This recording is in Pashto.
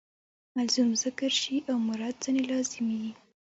ملزوم ذکر سي او مراد ځني لازم يي.